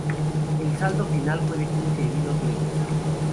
El saldo final fue de quince heridos leves.